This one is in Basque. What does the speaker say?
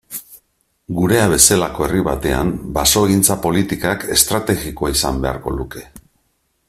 Geurea bezalako herri batean basogintza politikak estrategikoa izan beharko luke.